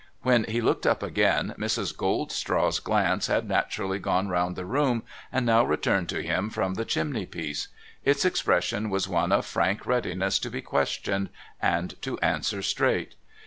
When he looked up again, Mrs. Goldstraw's glance had naturally gone round the room, and now returned to him from the chimney piece. Its expression was one of frank readiness to be questioned, and to answer straight.